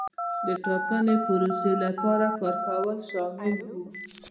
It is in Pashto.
د ټاکنو د پروسې لپاره کار کول شامل وو.